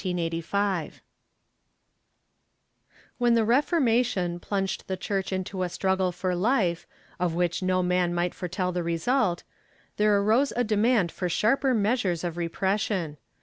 ^ When the Reformation plunged the Church into a struggle for life, of which no man might foretell the result, there arose a demand for sharper measures of repression.